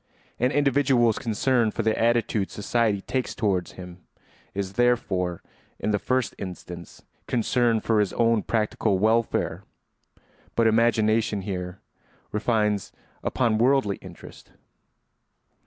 An individual's concern for the attitude society takes toward him is therefore in the first instance concern for his own practical welfare. But imagination here refines upon worldly interest.